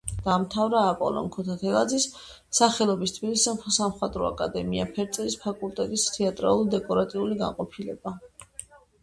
დაამთავრა აპოლონ ქუთათელაძის სახელობის თბილისის სამხატვრო აკადემია, ფერწერის ფაკულტეტის თეატრალურ-დეკორატიული განყოფილება.